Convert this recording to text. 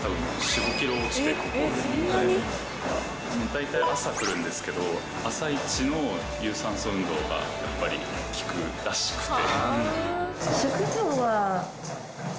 大体朝来るんですけど朝イチの有酸素運動がやっぱり効くらしくて。